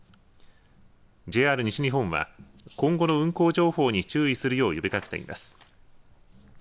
ＪＲ西日本は今後の運行情報に注意するよう呼びかけています。